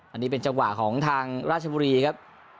อันนี้เป็นจังหวะของทางราชบุรีครับ